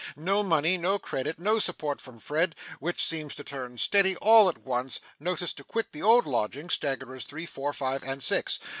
No money; no credit; no support from Fred, who seems to turn steady all at once; notice to quit the old lodgings staggerers, three, four, five, and six!